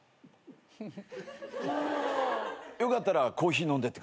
よかったらコーヒー飲んでってください。